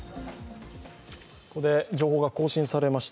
ここで情報が更新されました。